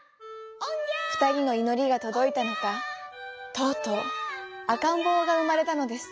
ふたりのいのりがとどいたのかとうとうあかんぼうがうまれたのです。